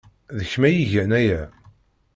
D kemm ay igan aya!